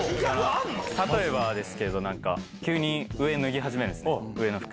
例えばですけど、なんか急に上脱ぎ始めるんですよ、上の服。